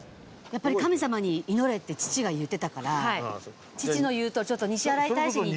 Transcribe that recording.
やっぱり神様に祈れって父が言ってたから父の言うとおりちょっと西新井大師に行って。